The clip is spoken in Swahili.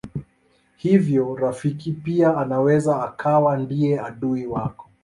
Hivyo rafiki pia anaweza akawa ndiye adui wako.